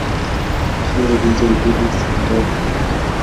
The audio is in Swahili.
Ndizo nguzo mbili za utawa huo.